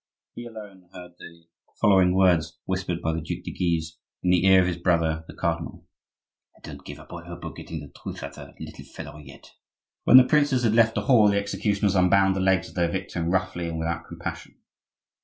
He alone heard the following words whispered by the Duc de Guise in the ear of his brother the cardinal: "I don't give up all hope of getting the truth out of that little fellow yet." When the princes had left the hall the executioners unbound the legs of their victim roughly and without compassion.